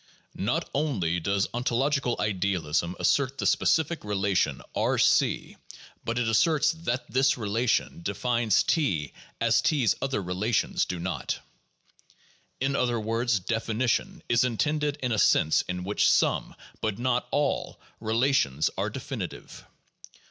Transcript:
Not only does ontologieal idealism assert the specific relation R°, but it asserts that this relation defines T as 2"s other relations do not. In other words, "definition" is intended in a sense in which some, but not all, relations are definitive.